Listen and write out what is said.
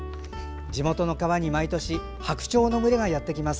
地元の川に毎年ハクチョウの群れがやってきます。